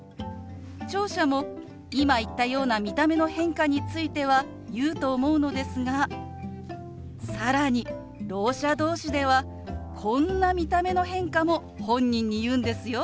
聴者も今言ったような見た目の変化については言うと思うのですが更にろう者同士ではこんな見た目の変化も本人に言うんですよ。